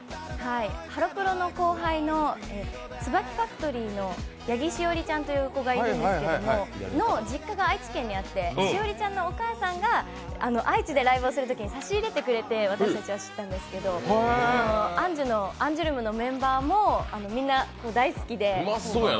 ハロプロの後輩のつばきファクトリーの八木栞ちゃんという子がいるんですけど実家が愛知県にあって栞ちゃんのお母さんが愛知でライブをするときに差し入れてくれて私たちは知ったんですけどアンジュルムのメンバーもみんな大好きで。